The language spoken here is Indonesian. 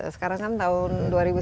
sekarang kan tahun dua ribu sembilan belas